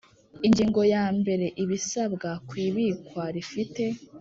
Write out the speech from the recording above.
Ingingo yambere Ibisabwa ku ibikwa rifite